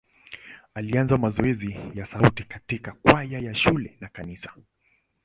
Alianza mazoezi ya sauti katika kwaya ya shule na kanisa.